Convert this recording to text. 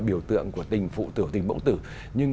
biểu tượng của tình phụ tử tình bỗng tử